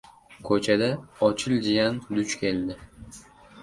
Ko‘chada Ochil jiyan duch keldi.